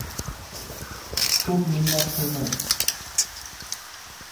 — Ko‘p minnat qilmang!